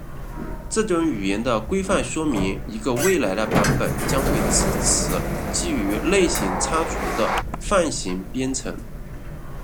这种语言的规范说明一个未来的版本将会支持基于类型擦除的泛型编程。